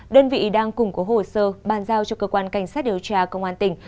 đơn vị đang cùng của hồ sơ ban giao cho cơ quan cảnh sát điều tra công an tỉnh